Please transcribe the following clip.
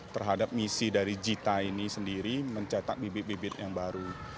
terhadap misi dari jita ini sendiri mencetak bibit bibit yang baru